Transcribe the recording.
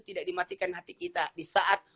tidak dimatikan hati kita disaat